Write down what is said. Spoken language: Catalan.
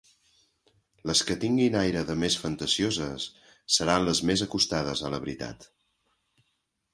Les que tinguin aire de més fantasioses seran les més acostades a la veritat.